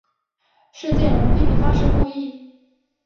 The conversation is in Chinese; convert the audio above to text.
事件有人批评她是故意。